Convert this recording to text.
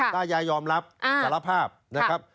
ตายายยอมรับสารภาพนะครับ